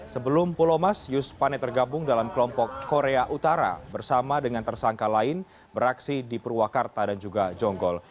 sebelum pulau mas yus pane tergabung dalam kelompok korea utara bersama dengan tersangka lain beraksi di purwakarta dan juga jonggol